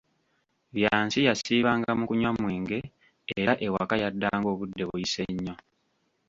Byansi yasiibanga mu kunywa mwenge era ewaka yaddanga obudde buyise nnyo.